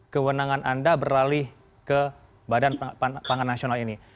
kewenangan anda beralih ke badan pangan nasional ini